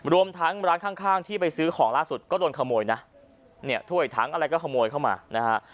รวมทั้งร้านข้างข้างที่ไปซื้อของล่าสุดก็โดนขโมยนะเนี่ยถ้วยถังอะไรก็ขโมยเข้ามานะฮะ